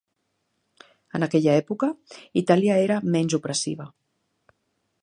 En aquella època, Itàlia era menys opressiva.